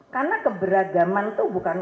karena keberagaman itu bukan